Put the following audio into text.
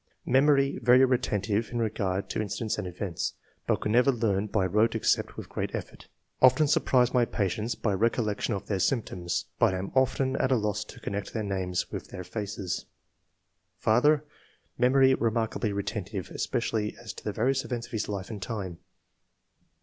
Memory very retentive in regard to in cidents and events, but could never learn by rote except with great effort. Often surprise my patients by recollection of their symptoms, but am often at a loss to connect their names with their faces. ''Father — Memory remarkably retentive, espe cially as to the various events of his life and time."